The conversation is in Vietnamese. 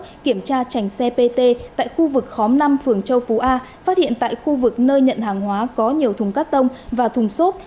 khi kiểm tra chành xe pt tại khu vực khóm năm phường châu phú a phát hiện tại khu vực nơi nhận hàng hóa có nhiều thùng cắt tông và thùng xốp